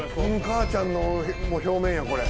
かあちゃんの表面やこれ。